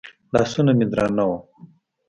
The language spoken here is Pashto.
لاسونه مې درانه وو.